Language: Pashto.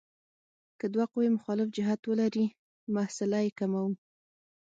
که دوه قوې مخالف جهت ولري محصله یې کموو.